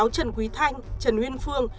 trần quý thanh trần nguyên phương